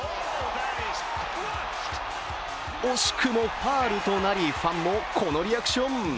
惜しくもファウルとなりファンもこのリアクション。